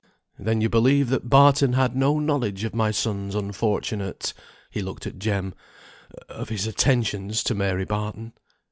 "Then you believe that Barton had no knowledge of my son's unfortunate, " he looked at Jem, "of his attentions to Mary Barton.